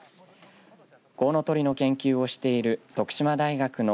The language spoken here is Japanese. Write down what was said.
コウノトリの研究をしている徳島大学の